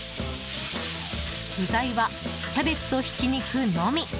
具材はキャベツとひき肉のみ。